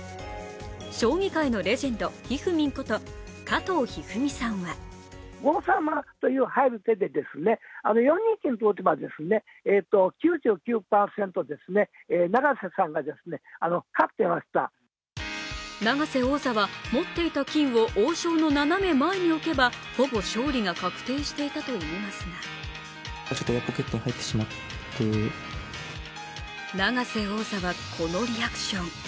将棋界のレジェンド・ひふみんこと加藤一二三さんは永瀬王座は持っていた金を王将の斜め前に置けばほぼ勝利が確定していたといいますが永瀬王座は、このリアクション。